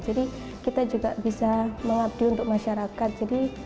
jadi kita juga bisa mengabdi untuk masyarakat jadi